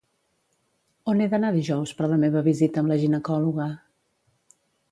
On he d'anar dijous per la meva visita amb la ginecòloga?